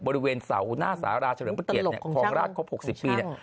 บริเวณเสาหน้าสาราเฉลิมพระเกียรติเนี่ยคลองราชครบ๖๐ปีเนี่ย